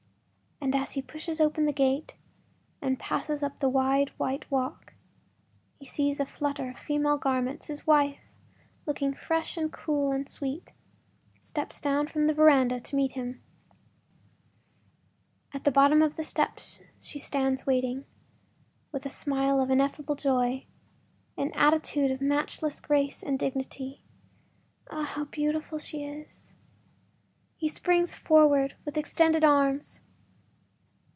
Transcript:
As he pushes open the gate and passes up the wide white walk, he sees a flutter of female garments; his wife, looking fresh and cool and sweet, steps down from the veranda to meet him. At the bottom of the steps she stands waiting, with a smile of ineffable joy, an attitude of matchless grace and dignity. Ah, how beautiful she is! He springs forwards with extended arms.